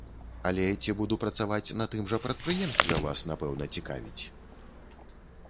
Але ці буду працаваць на тым жа прадпрыемстве, вас напэўна цікавіць?